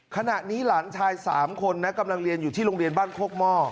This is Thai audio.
ขณะนี้หลานชาย๓คนนะกำลังเรียนอยู่ที่โรงเรียนบ้านโคกหม้อ